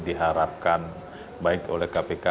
diharapkan baik oleh kpk